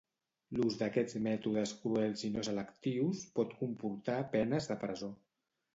L'ús d'aquests mètodes cruels i no selectius pot comportar penes de presó.